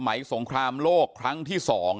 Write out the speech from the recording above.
หายไปตั้งกี่ปีแล้วอยู่ก็บอกว่ามันจะมาแบบนี้